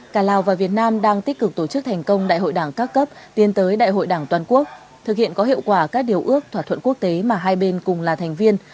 cả lào và việt nam đang tích cực tổ chức thành công đại hội đảng các cấp tiến tới đại hội đảng toàn quốc thực hiện có hiệu quả các điều ước thỏa thuận quốc tế mà hai bên cùng là thành viên